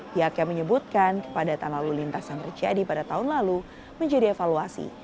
pihaknya menyebutkan kepadatan lalu lintas yang terjadi pada tahun lalu menjadi evaluasi